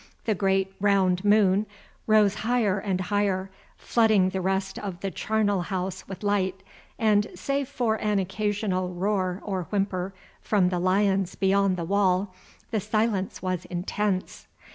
The great round moon rose higher and higher, flooding the rest of the charnel house with light, and, save for an occasional roar or whimper from the lions beyond the wall, the silence was intense.